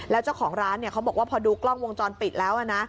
แล้วเจ้าของร้านเขาบอกว่าพอดูกล้องวงจรปิดแล้วนะ